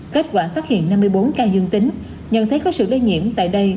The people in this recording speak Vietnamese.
kết quả phát hiện năm mươi bốn ca dương tính nhận thấy có sự lây nhiễm tại đây